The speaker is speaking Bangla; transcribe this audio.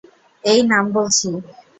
এই, নাম বলছি!